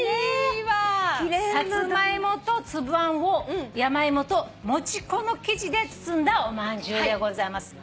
サツマイモとつぶあんを山芋と餅粉の生地で包んだおまんじゅうでございます。